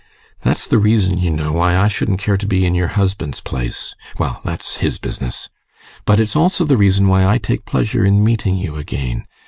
That's the reason, you know, why I shouldn't care to be in your husband's place well, that's his business! But it's also the reason why I take pleasure in meeting you again.